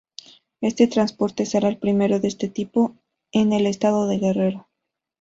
Este transporte será el primero de este tipo en el estado de Guerrero.